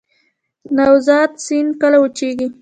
نوزاد سیند کله وچیږي؟